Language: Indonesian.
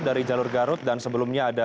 dari jalur garut dan sebelumnya ada